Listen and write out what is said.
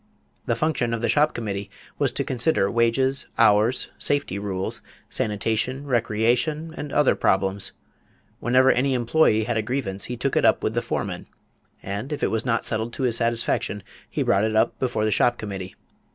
The function of the shop committee was to consider wages, hours, safety rules, sanitation, recreation and other problems. Whenever any employee had a grievance he took it up with the foreman and, if it was not settled to his satisfaction, he brought it before the shop committee.